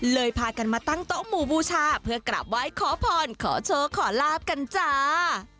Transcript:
พากันมาตั้งโต๊ะหมู่บูชาเพื่อกราบไหว้ขอพรขอโชคขอลาบกันจ้า